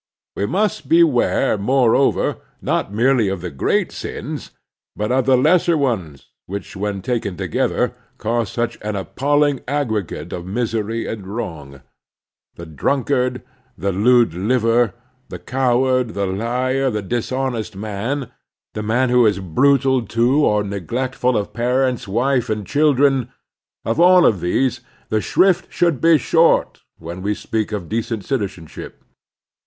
We must beware, moreover, not merely of the great sins, but of the lesser ones which when taken together cause such an appalling aggregate of misery and wrong. The dnmkard, the lewd liver, the coward, the liar, the dishonest man, the man who is brutal to or neglectful of parents, wife, or children— of all of these the shrift should be short when we speak of decent citizenship.